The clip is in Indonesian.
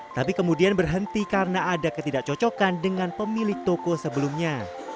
tapi kemudian berhenti karena ada ketidakcocokan dengan pemilik toko sebelumnya